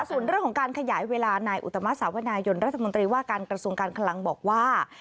ส่วนเรื่องของการขยายเวลานายอุตมะสาวนายนรัฐมนตรีว่าการกระทรวงการคลังบอกว่า